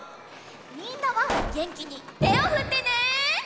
みんなはげんきにてをふってね。